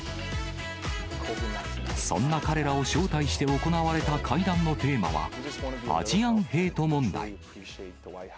そんな彼らを招待して行われた会談のテーマは、アジアン・ヘイト問題。